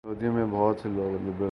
یہودیوں میں بہت سے لوگ لبرل ہیں۔